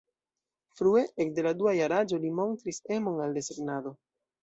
Frue, ekde la dua jaraĝo li montris emon al desegnado.